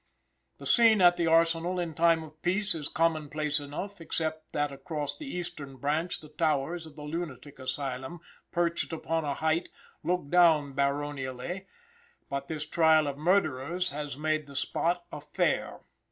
The scene at the arsenal in time of peace is common place enough, except that across the Eastern Branch the towers of the lunatic asylum, perched upon a height, look down baronially; but this trial of murderers has made the spot a fair.